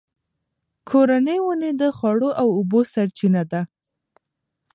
کورني ونې د خواړو او اوبو سرچینه ده.